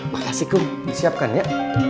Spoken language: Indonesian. makasih kum disiapkan ya